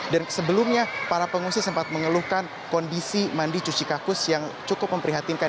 sebelumnya para pengungsi sempat mengeluhkan kondisi mandi cuci kakus yang cukup memprihatinkan